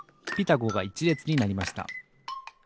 「ゴ」が１れつになりました。